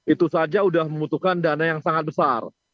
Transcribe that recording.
itu saja sudah membutuhkan dana yang sangat besar